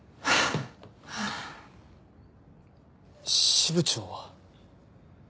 支部長は。